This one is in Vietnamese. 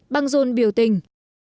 băng rôn biểu tình